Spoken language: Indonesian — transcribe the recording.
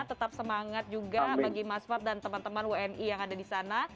tetap semangat juga bagi mas fad dan teman teman wni yang ada di sana